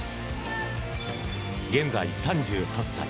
現在３８歳。